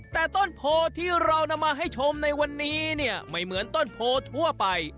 แต่ต้นโพที่เรานำมาให้ชมในวันนี้เนี่ยไม่เหมือนต้นโพทั่วไป